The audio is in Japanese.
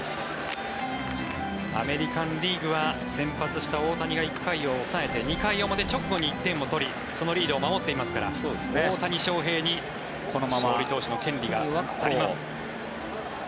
アメリカン・リーグは先発した大谷が１回を抑えて２回表直後に１点を取りそのリードを守っていますから大谷翔平に勝利投手の権利があります。